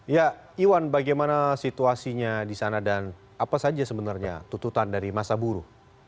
ya iwan bagaimana situasinya di sana dan apa saja sebenarnya tututan dari masa buru